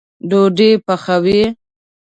ډوډۍ پخوئ